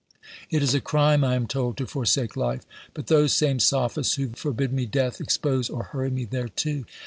It is a crime, I am told, to forsake life. But those same sophists who forbid me death expose or hurry me thereto.